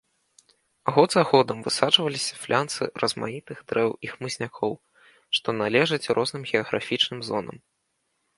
Год за годам высаджваліся флянсы размаітых дрэў і хмызнякоў, што належаць розным геаграфічным зонам.